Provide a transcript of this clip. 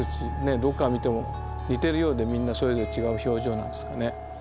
どこから見ても似てるようでみんなそれぞれ違う表情なんですかね。